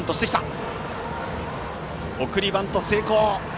送りバント成功。